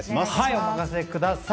お任せください。